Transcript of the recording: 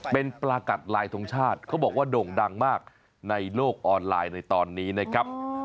เป็นปลากัดลายทรงชาติเขาบอกว่าโด่งดังมากในโลกออนไลน์ในตอนนี้นะครับ